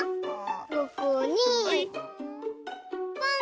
ここにポン！